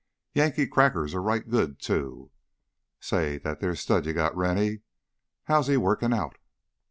Yankee crackers are right good, too. Say, that theah stud you got, Rennie, how's he workin' out?"